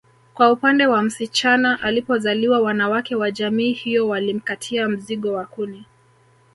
Kwa upande wa msichana alipozaliwa wanawake wa jamii hiyo walimkatia mzigo wa kuni